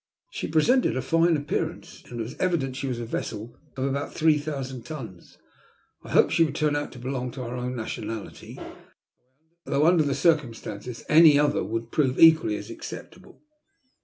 She presented a fine appearance, and it was evident she was a vessel of about three thousand tons. I hoped she would turn out to belong to our own nationality, though under the circumstances any other would prove equally acceptable.